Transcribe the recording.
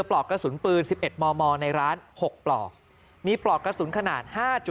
ปลอกกระสุนปืน๑๑มมในร้าน๖ปลอกมีปลอกกระสุนขนาด๕